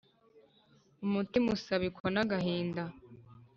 Umutima usabikwa n'agahinda